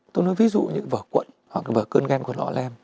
tôi nói ví dụ như vở quận hoặc là vở cơn ghen của lọ lem